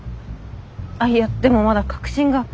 あっいやでもまだ確信が。